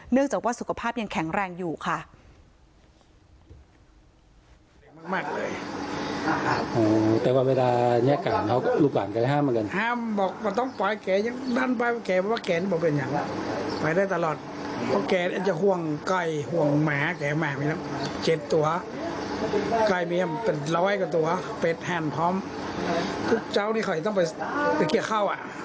จากว่าสุขภาพยังแข็งแรงอยู่ค่ะ